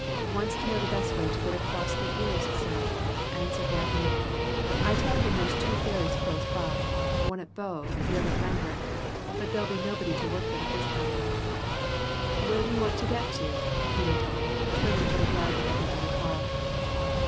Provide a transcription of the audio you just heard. "Wants to know which is the best way to get across the Ouse, sir," answered Gaffney. "I tell him there's two ferries close by one at Booh, the other at Langrick but there'll be nobody to work them at this hour. Where do you want to get to?" he went on, turning to the driver of the other car.